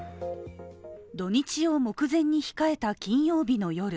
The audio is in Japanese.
土日を目前に控えた金曜日の夜。